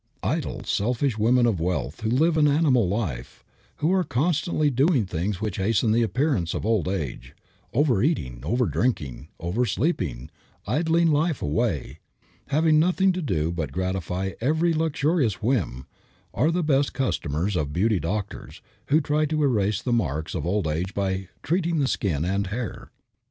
Idle, selfish women of wealth who live an animal life, who are constantly doing things which hasten the appearance of old age, overeating, over drinking, over sleeping, idling life away, having nothing to do but gratify every luxurious whim, are the best customers of beauty doctors, who try to erase the earmarks of old age by "treating" the skin and the hair.